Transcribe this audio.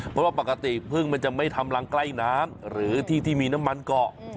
เพราะว่าปกติพึ่งมันจะไม่ทำรังใกล้น้ำหรือที่ที่มีน้ำมันเกาะ